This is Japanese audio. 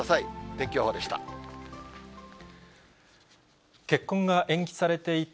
天気予報でした。